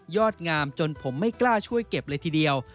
งามจนผมไม่กล้าช่วยเก็บเลยทีเดียว